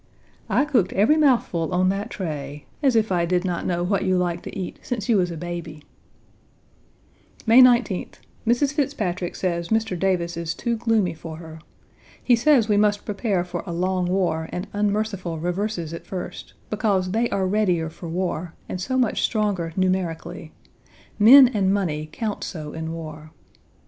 "I cooked every mouthful on that tray as if I did not know what you liked to eat since you was a baby." May 19th. Mrs. Fitzpatrick says Mr. Davis is too gloomy for her. He says we must prepare for a long war and unmerciful reverses at first, because they are readier for war and so much stronger numerically. Men and money count so in war.